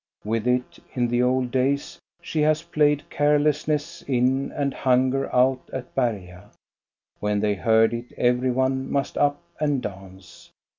With it, in the old days, she has played carelessness in and hunger out at Berga; when they heard it every one must up and dance.